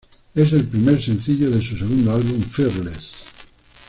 Es el primer sencillo de su segundo álbum, Fearless.